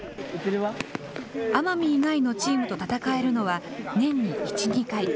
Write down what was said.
奄美以外のチームと戦えるのは、年に１、２回。